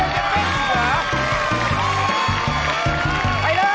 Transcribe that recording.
ไปเลย